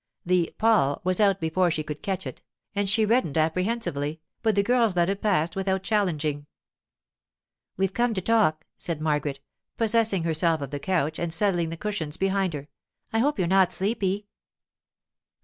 The 'Paul' was out before she could catch it, and she reddened apprehensively, but the girls let it pass without challenging. 'We've come to talk,' said Margaret, possessing herself of the couch and settling the cushions behind her. 'I hope you're not sleepy.